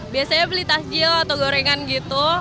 biasanya beli takjil atau gorengan gitu